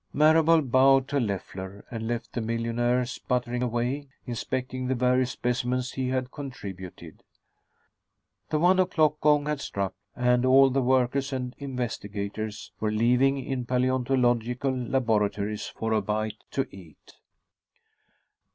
Marable bowed to Leffler and left the millionaire sputtering away, inspecting the various specimens he had contributed. The one o'clock gong had struck, and all the workers and investigators were leaving in paleontological laboratories for a bite to eat.